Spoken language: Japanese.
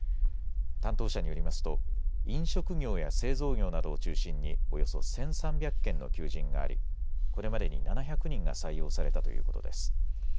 担当者によりますと飲食業や製造業などを中心におよそ１３００件の求人がありこれまでに７００人が採用されたということです。